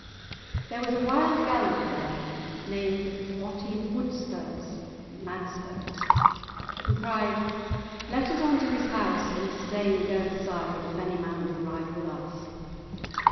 There was a wild gallant there named Watty Wudspurs (Madspurs) who cried, "Let us on to his house in Stanegirthside, if any man will ride with us!"